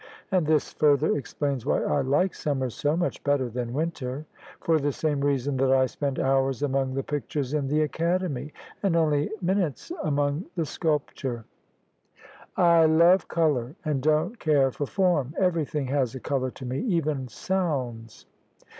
And this further explains why I like summer so much better than winter; for the same reason that I spend hours among the pictures in the Academy and only minutes among the sculpture; I THE SUBJECTION OF ISABEL CARNABY love colour and don't care for form. Everything has a colour to me— even sounds."